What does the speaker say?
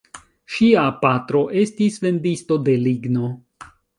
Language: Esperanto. Ŝia patro estis vendisto de ligno.